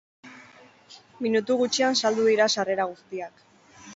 Minutu gutxian saldu dira sarrera guztiak.